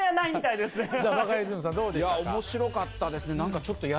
いや面白かったですね。